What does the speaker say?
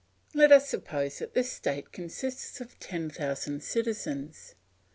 Let us suppose that this state consists of ten thousand citizens.